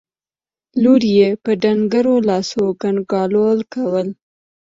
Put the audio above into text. لور يې په ډنګرو لاسو کنګالول کول.